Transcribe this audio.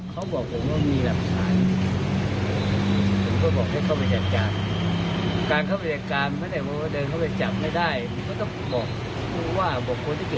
เกี่ยวข้องว่าจะจัดการอย่างไรเมื่อสินค้าและเมื่อได้สินอยู่เต็มมือตรงนี้